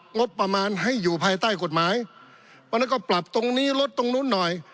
งบประมาณให้อยู่ภายใต้กฎหมายเพราะฉะนั้นก็ปรับตรงนี้ลดตรงนู้นหน่อย